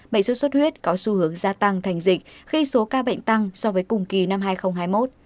bệnh xuất xuất huyết có xu hướng gia tăng thành dịch khi số ca bệnh tăng so với cùng kỳ năm hai nghìn hai mươi một